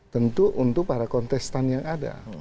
tentu untuk para kontestan yang ada